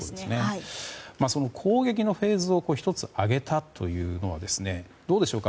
その攻撃のフェーズを１つ、上げたというのはどうでしょうか